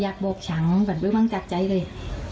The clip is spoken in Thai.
อยากโบกฉันก่อนไม่ว่างจัดใจเลย